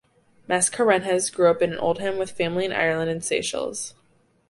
Mascarenhas grew up in Oldham with family in Ireland and Seychelles.